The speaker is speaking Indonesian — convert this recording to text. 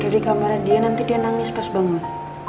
dia tidur di kamar dia nanti dia nangis pas bangun